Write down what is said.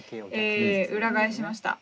裏返しました。